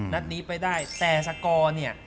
นัดนี้ไปได้แต่สกอร์เนี่ย